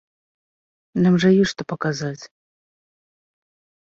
Нам жа ёсць, што паказаць!